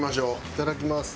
いただきます。